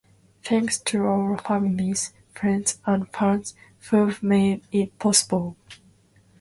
Thanks to our families, friends, and fans who've made it possible.